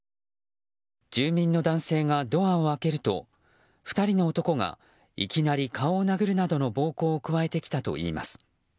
住民の男性がドアを開けると２人の男がいきなり顔を殴るなどの暴行を加えてきたといいます。